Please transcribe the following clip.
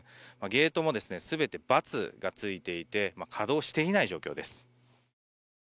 ゲートも全て×がついていて稼働していない状況です。